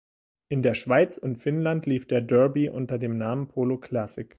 In der Schweiz und Finnland lief der "Derby" unter dem Namen "Polo Classic".